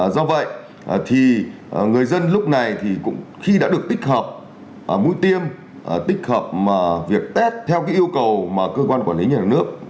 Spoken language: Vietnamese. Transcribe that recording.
do vậy thì người dân lúc này thì khi đã được tích hợp mũi tiêm tích hợp việc test theo yêu cầu mà cơ quan quản lý nhà nước